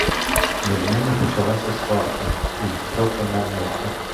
Між ними почалася сварка й трохи не лайка.